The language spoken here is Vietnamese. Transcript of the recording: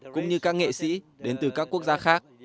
cũng như các nghệ sĩ đến từ các quốc gia khác